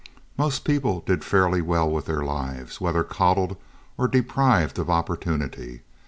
Most people did fairly well with their lives, whether coddled or deprived of opportunity.